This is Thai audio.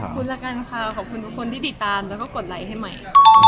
ขอบคุณและคนที่ติดตามและกดไลค์ให้ไหม